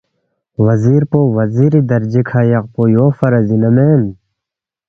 وزیر پو وزیری درجی کھہ یقپو ، یو فرض اِنا مین؟“